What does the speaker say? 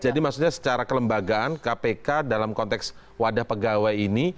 jadi maksudnya secara kelembagaan kpk dalam konteks wadah pegawai ini